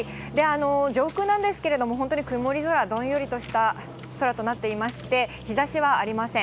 上空なんですけれども、本当に曇り空、どんよりとした空となっていまして、日ざしはありません。